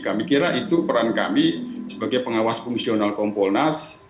kami kira itu peran kami sebagai pengawas fungsional kompolnas